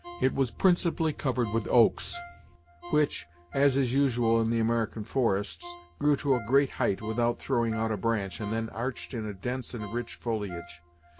It was principally covered with oaks, which, as is usual in the American forests, grew to a great height without throwing out a branch, and then arched in a dense and rich foliage.